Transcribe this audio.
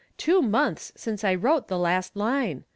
— Two months since I wrote the last line